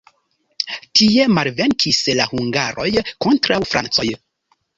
Tie malvenkis la hungaroj kontraŭ francoj.